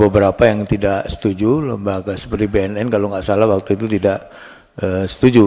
saya setuju lembaga seperti bnn kalau nggak salah waktu itu tidak setuju